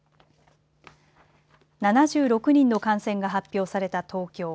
７６人の感染が発表された東京。